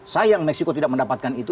sayang meksiko tidak mendapatkan itu